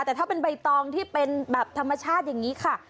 แต่ถ้าเป็นใบตองที่เป็นแบบธรรมชาติอย่างนี้ค่ะ